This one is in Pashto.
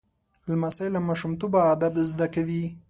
لمسی له ماشومتوبه ادب زده کوي.